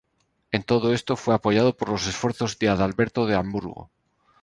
En todo esto, fue apoyado por los esfuerzos de Adalberto de Hamburgo.